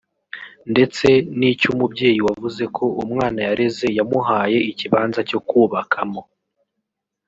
ndetse n’icy’umubyeyi wavuze ko umwana yareze yamuhaye ikibanza cyo kubakamo